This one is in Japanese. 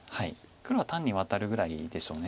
黒は単にワタるぐらいでしょう。